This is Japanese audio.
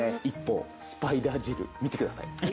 一方スパイダージェル見てください。